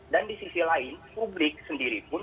dan di sisi lain publik sendiri pun